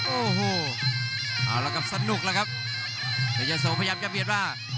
โอ้โหเอาละครับสนุกละครับแต่เจ้าโสพยายามจะเปลี่ยนว่า